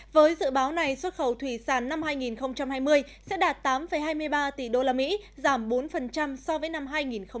với dự báo này xuất khẩu thủy sản năm hai nghìn hai mươi sẽ đạt tám hai mươi ba tỷ usd giảm bốn so với năm hai nghìn một mươi chín